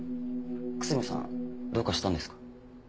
楠見さんどうかしたんですか？